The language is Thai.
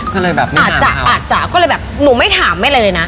ก็เลยแบบอาจจะอาจจะก็เลยแบบหนูไม่ถามไม่อะไรเลยนะ